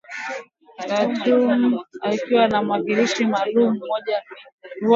Khartoum akiwa na mwakilishi maalum wa umoja wa mataifa Volker Perthes